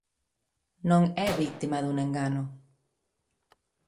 Non é vítima dun engano.